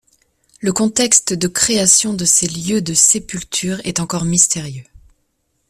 Le contexte de création de ces lieux de sépultures est encore mystérieux.